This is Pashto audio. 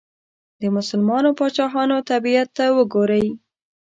د مسلمانو پاچاهانو طبیعت ته وګورئ.